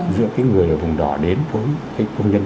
giữa cái người ở vùng đỏ đến với cái công nhân